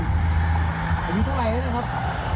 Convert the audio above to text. อันนี้เท่าไรนะครับ